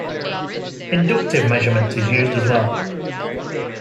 Inductive measurement is used as well.